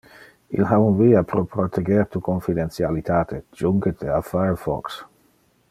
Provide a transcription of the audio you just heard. Il ha un via pro proteger tu confidentialitate. Junge te a Firefox!